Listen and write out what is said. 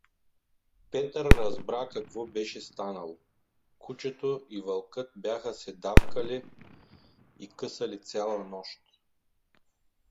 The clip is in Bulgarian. Петър разбра каквобеше станало: кучето и вълкът бяха се давкали и късали цяла нощ.